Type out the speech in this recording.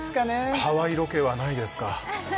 ハワイロケはないですか？